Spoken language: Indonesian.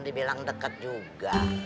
di bilang dekat juga